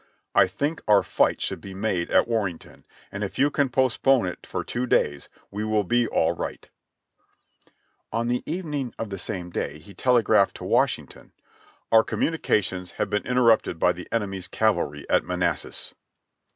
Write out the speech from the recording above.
I think our fight should be made at Warrenton, and if you can postpone it for two days we will be all right." (Reb. Records, Vol. 10, p. 69.) On the evening of the same day he telegraphed to Washington : "Our communications have been interrupted by the enemy's cavalry at Manassas."